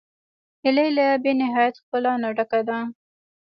هیلۍ له بېنهایت ښکلا نه ډکه ده